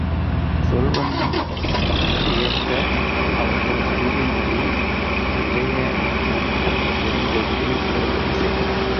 சொல்வன்மை தேர்ந்த அவர்கள் அறிவுமொழி, உதயணன் தன் பெருமிதத்தை உணரும்படி செய்தது.